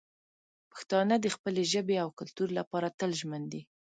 پښتانه د خپلې ژبې او کلتور لپاره تل ژمن دي.